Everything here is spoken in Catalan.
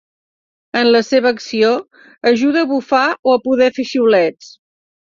En la seva acció, ajuda a bufar o a poder fer xiulets.